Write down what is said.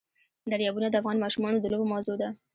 دریابونه د افغان ماشومانو د لوبو موضوع ده.